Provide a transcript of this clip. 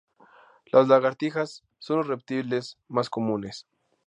Las lagartijas son los reptiles más comunes.